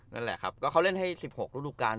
นั่นแหละครับก็เขาเล่นให้๑๖ฤดูการ